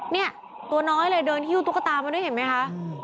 เนี่ยตัวน้อยเลยเดินหิ้วตุ๊กตามาด้วยเห็นไหมคะ